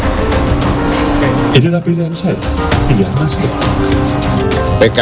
ini adalah pilihan saya